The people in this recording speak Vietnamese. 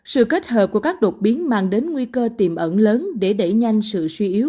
sự kết hợp của các đột biến mang đến nguy cơ tiềm ẩn lớn để đẩy nhanh sự suy yếu